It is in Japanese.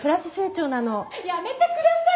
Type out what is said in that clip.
やめてください！